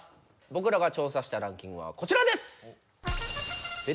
僕らが調査したランキングはこちらです！